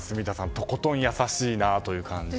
とことん優しいなという感じで。